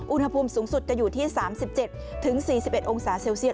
อุณหภูมิสูงสุดจะอยู่ที่๓๗๔๑องศาเซลเซียต